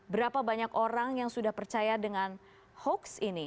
berapa banyak orang yang sudah percaya dengan hoax ini